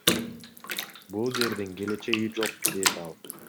Бул жердин келечеги жок, — дейт ал.